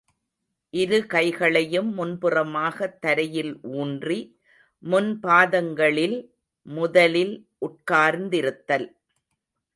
இரு கைகளையும் முன்புறமாகத் தரையில் ஊன்றி, முன்பாதங்களில் முதலில் உட்கார்ந்திருத்தல்.